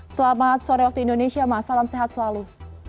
selamat sore waktu indonesia mas salam sehat selalu